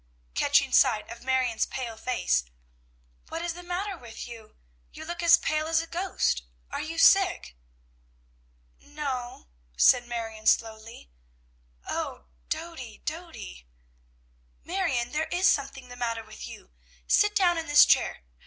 catching sight of Marion's pale face, "what is the matter with you? You look as pale as a ghost. Are you sick?" "No o," said Marion slowly. "O Dody! Dody!" "Marion! there is something the matter with you. Sit down in this chair.